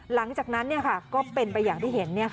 หลังจากนั้นก็เป็นไปอย่างที่เห็น